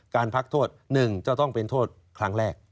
การพักโทษ๑จะต้องเป็นโทษครั้งแรก